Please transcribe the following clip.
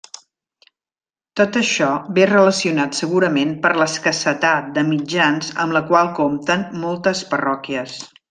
Tot això ve relacionat segurament per l'escassetat de mitjans amb la qual compten moltes parròquies.